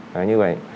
nó như vậy